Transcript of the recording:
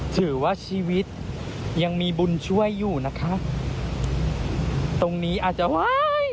ถือว่าชีวิตยังมีบุญช่วยอยู่นะคะตรงนี้อาจจะว้าย